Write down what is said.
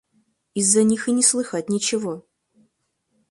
Из-за них и не слыхать ничего.